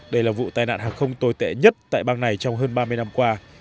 đây là vụ tai nạn hàng không tồi tệ nhất tại bang này trong hơn ba mươi năm qua